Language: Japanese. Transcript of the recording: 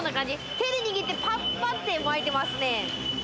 手で握ってパッパッてまいてますね。